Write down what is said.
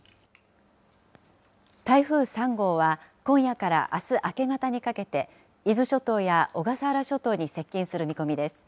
台風３号は、今夜からあす明け方にかけて、伊豆諸島や小笠原諸島に接近する見込みです。